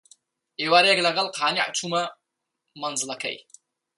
ئێوارەیەک لەگەڵ قانیع چوومە مەنزڵەکەی